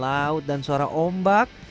laut dan suara ombak